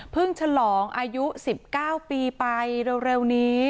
ฉลองอายุ๑๙ปีไปเร็วนี้